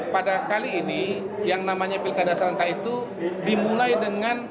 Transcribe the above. pada kali ini yang namanya pilkada serentak itu dimulai dengan